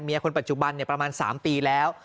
คนปัจจุบันประมาณ๓ปีแล้ว